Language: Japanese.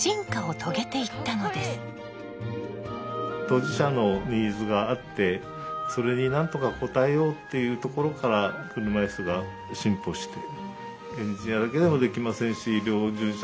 当事者のニーズがあってそれになんとか応えようっていうところから車いすが進歩して。